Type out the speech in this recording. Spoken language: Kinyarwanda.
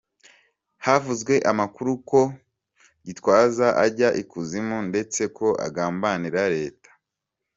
Havuzwe amakuru ko Gitwaza ajya ikuzimu ndetse ko agambanira Leta.